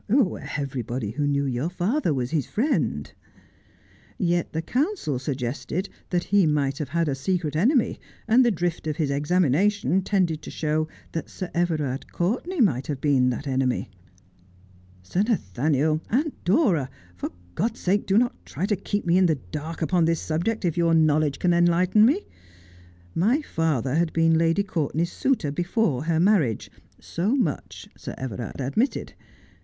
' Everybody who knew your father was his friend.' ' Yet the counsel suggested that he might have had a secret enemy, and the drift of his examination tended to show that Sir Everard Courtenay might have been that enemy. Sir Nathaniel, Aunt Dora, for God's sake do not try to keep me in the dark upon this subject if your knowledge can enlighten me. My father had been Lady Courtenay's suitor before her marriage. So much Sir Everard admitted.